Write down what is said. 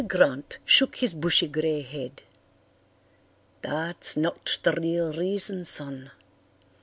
Grant shook his bushy grey head. "That's not the real reason, son.